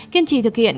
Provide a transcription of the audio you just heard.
kiên trì thực hiện